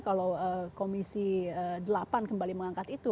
kalau komisi delapan kembali mengangkat itu